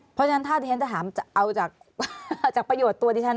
เพราะฉะนั้นถ้าที่ฉันจะถามเอาจากประโยชน์ตัวดิฉัน